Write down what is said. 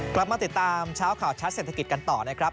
กลับมาติดตามเช้าข่าวชัดเศรษฐกิจกันต่อนะครับ